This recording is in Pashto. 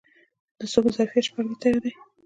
د سږو ظرفیت شپږ لیټره دی.